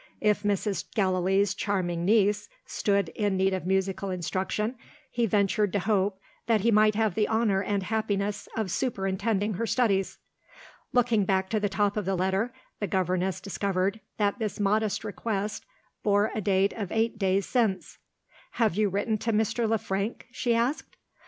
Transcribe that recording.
If Mrs. Gallilee's charming niece stood in need of musical instruction, he ventured to hope that he might have the honour and happiness of superintending her studies. Looking back to the top of the letter, the governess discovered that this modest request bore a date of eight days since. "Have you written to Mr. Le Frank?" she asked.